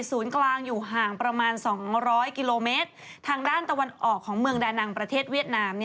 ศูนย์กลางอยู่ห่างประมาณสองร้อยกิโลเมตรทางด้านตะวันออกของเมืองดานังประเทศเวียดนาม